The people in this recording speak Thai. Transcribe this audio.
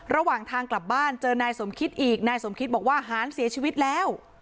ระหว่างทางกลับบ้านเจอนายสมคิดอีกนายสมคิตบอกว่าหารเสียชีวิตแล้ว